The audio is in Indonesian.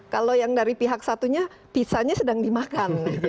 kalau yang dari pihak satunya pizzanya sedang dimakan